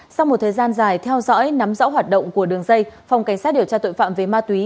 sau một thời gian dài theo dõi nắm rõ hoạt động của đường dây phòng cảnh sát điều tra tội phạm về ma túy